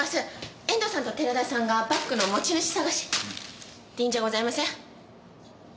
遠藤さんと寺田さんがバッグの持ち主捜し。でいいんじゃございません？